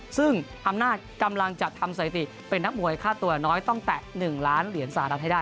ซึ่งอำนาจกำลังจะทำสถิติเป็นนักมวยค่าตัวน้อยต้องแตะ๑ล้านเหรียญสหรัฐให้ได้